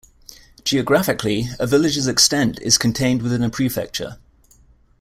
Geographically, a village's extent is contained within a prefecture.